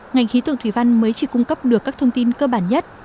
ngành khí tượng thủy văn mới chỉ cung cấp được các thông tin cơ bản nhất